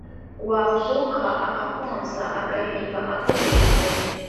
Wavuka akakonsa Agahinga aguhetse,